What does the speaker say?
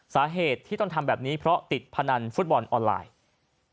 สาเหตุที่ต้องทำแบบนี้เพราะติดพนันฟุตบอลออนไลน์